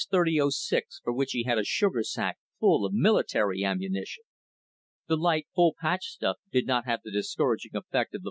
30 06, for which he had a sugar sack full of military ammunition. The light full patch stuff did not have the discouraging effect of the